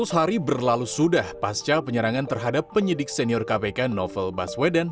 seratus hari berlalu sudah pasca penyerangan terhadap penyidik senior kpk novel baswedan